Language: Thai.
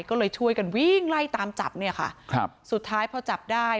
ก็เลยช่วยกันวิ่งไล่ตามจับเนี่ยค่ะครับสุดท้ายพอจับได้